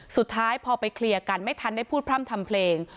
สุดท้ายพอไปเคลียร์กันไม่ทันได้พูดพร่ำทำเพลง